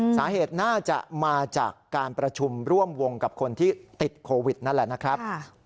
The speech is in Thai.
สาเหตุน่าจะมาจากการประชุมร่วมวงกับคนที่ติดโควิดนั่นแหละนะครับ